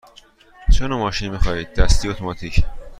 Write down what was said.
چه نوع ماشینی می خواهید – دستی یا اتوماتیک؟